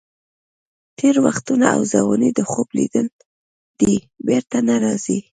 تېر وختونه او ځواني د خوب لیدل دي، بېرته نه راځي.